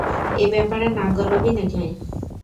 এ ব্যাপারে নাক গলাবি না!